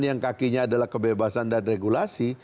yang kakinya adalah kebebasan dan regulasi